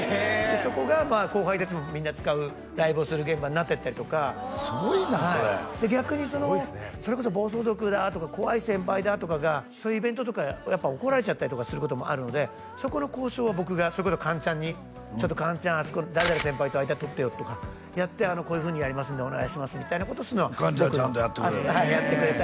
そこが後輩達もみんな使うライブをする現場になっていったりとかすごいなそれ逆にそれこそ暴走族だとか怖い先輩だとかがそういうイベントとかやっぱ怒られちゃったりとかすることもあるのでそこの交渉は僕がそれこそかんちゃんに「かんちゃんあそこの誰々先輩と間取ってよ」とかやって「こういうふうにやりますんでお願いします」みたいなことをかんちゃんちゃんとやってくれるの？